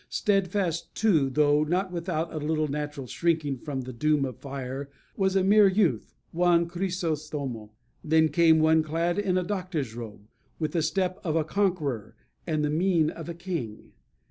Steadfast, too, though not without a little natural shrinking from the doom of fire, was a mere youth Juan Crisostomo. Then came one clad in a doctor's robe, with the step of a conqueror and the mien of a king.